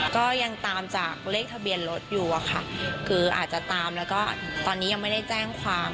ก็ยังตามจากเลขทะเบียนรถอยู่อะค่ะคืออาจจะตามแล้วก็ตอนนี้ยังไม่ได้แจ้งความ